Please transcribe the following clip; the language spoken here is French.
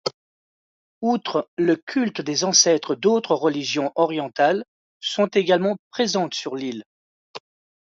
Outre le culte des ancêtres, d'autres religions orientales sont également présentes sur l'île.